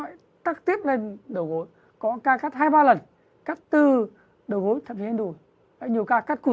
lại tắt tiếp lên đầu gối có ca cắt hai ba lần cắt từ đầu gối thậm chí lên đùi lại nhiều ca cắt cụt